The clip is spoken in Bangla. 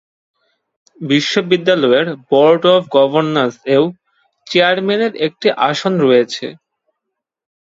বিশ্ববিদ্যালয়ের বোর্ড অব গভর্নরস-এও চেয়ারম্যানের একটি আসন রয়েছে।